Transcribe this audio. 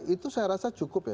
itu saya rasa cukup ya